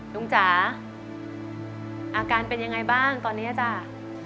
จ๋าอาการเป็นยังไงบ้างตอนนี้จ้า